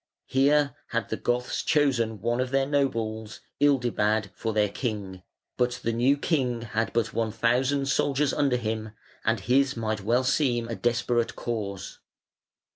Here had the Goths chosen one of their nobles, Ildibad, for their king, but the new king had but one thousand soldiers under him, and his might well seem a desperate cause.